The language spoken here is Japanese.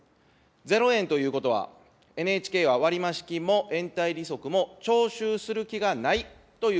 ゼロ円ということは、ＮＨＫは割増金も延滞利息も徴収する気がないということです。